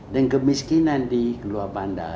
dan kemiskinan di luar bandar